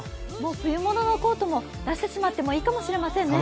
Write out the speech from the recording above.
冬物のコートも出してしまってもいいかもしれませんね。